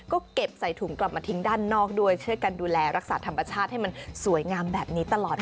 ก็เก็บใส่ถุงกลับมาทิ้งด้านนอกด้วยช่วยกันดูแลรักษาธรรมชาติให้มันสวยงามแบบนี้ตลอด